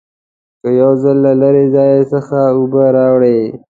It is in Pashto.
که یو ځل له لرې ځای څخه اوبه راوړې.